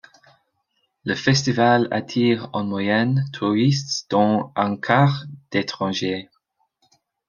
Le festival attire en moyenne touristes dont un quart d'étrangers.